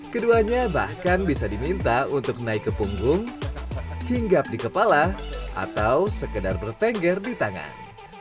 keduanya bahkan bisa diminta untuk naik ke punggung hinggap di kepala atau sekedar bertengger di tangan